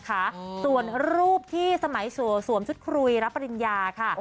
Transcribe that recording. ส่วนรูปที่สมัยสวมชุดคุยรับปริญญาค่ะ